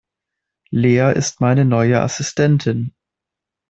Lea ist meine neue Assistentin.